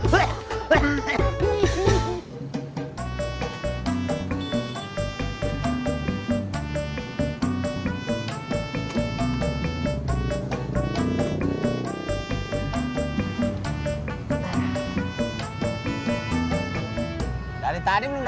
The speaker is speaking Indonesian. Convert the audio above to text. dia kayak derang tuh negatives